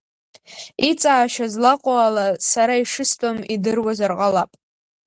Иҵаашьа злаҟоу ала сара ишыстәым идыруазар ҟалап.